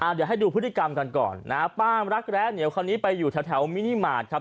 เดี๋ยวให้ดูพฤติกรรมกันก่อนนะฮะป้ามรักแร้เหนียวคนนี้ไปอยู่แถวมินิมาตรครับ